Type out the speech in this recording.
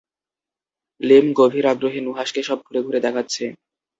লীম গভীর আগ্রহে নুহাশকে সব ঘুরে ঘুরে দেখাচ্ছে।